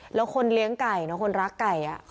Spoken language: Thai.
แล้วคนเลี้ยงไก่เนอะคนรักไก่